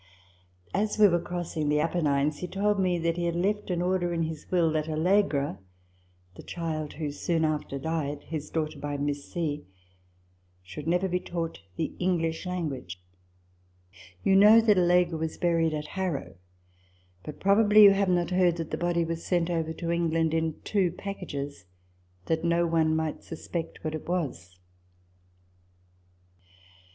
As we were crossing the Apennines, he told me that he had left an order in his will that Allegra, the child who soon after died, his daughter by Miss C., should never be taught the English language. You know that Allegra was buried at Harrow : but probably you have not heard that the body was sent over to England, in two packages, that no one might suspect what it was.